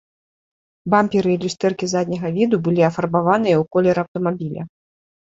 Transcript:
Бамперы і люстэркі задняга віду былі афарбаваныя ў колер аўтамабіля.